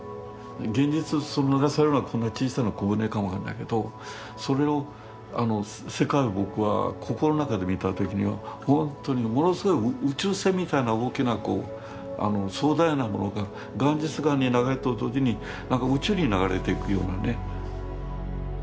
現実流されるのはこんな小さな小舟かも分かんないけどそれを世界を僕は心の中で見た時には本当にものすごい宇宙船みたいな大きなこう壮大なものがガンジス川に流れると同時に何か宇宙に流れていくようなね。